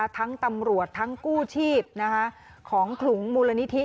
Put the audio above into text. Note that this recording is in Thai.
ทั้งตำรวจทั้งกู้ชีพของขลุงมูลนิธิ